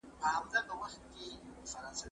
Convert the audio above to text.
زه پرون سبزیجات وچوم وم!.